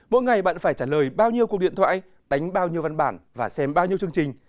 mỗi ngày bạn phải trả lời bao nhiêu cuộc điện thoại đánh bao nhiêu văn bản và xem bao nhiêu chương trình